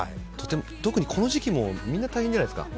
特にこの時期はみんな大変じゃないですか。